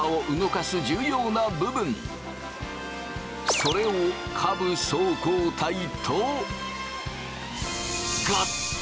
それを下部走行体と。